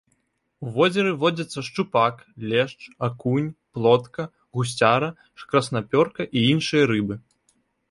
У возеры водзяцца шчупак, лешч, акунь, плотка, гусцяра, краснапёрка і іншыя рыбы.